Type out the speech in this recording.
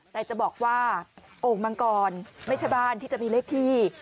แต่จะบอกว่าโอ่งมังกรไม่ใช่บ้านที่จะมีเลขที่